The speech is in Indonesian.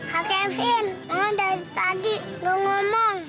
kevin mama dari tadi gak ngomong